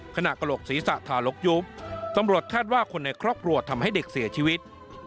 กระโหลกศีรษะทารกยุบตำรวจคาดว่าคนในครอบครัวทำให้เด็กเสียชีวิต